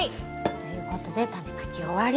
ということでタネまき終わり。